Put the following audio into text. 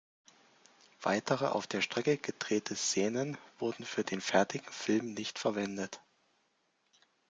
Weitere auf der Strecke gedrehte Szenen wurden für den fertigen Film nicht verwendet.